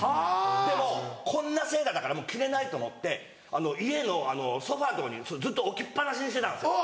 でもうこんなセーターだから着れないと思って家のソファのとこにずっと置きっ放しにしてたんですよ